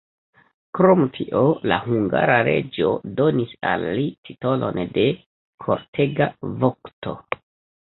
Krom tio la hungara reĝo donis al li titolon de kortega vokto.